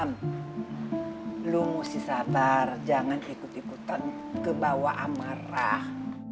lu mesti sabar jangan ikut ikutan kebawa amarah